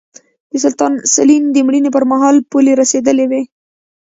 د سلطان سلین د مړینې پرمهال پولې رسېدلې وې.